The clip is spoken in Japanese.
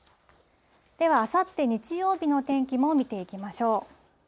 では、あさって日曜日の天気も見ていきましょう。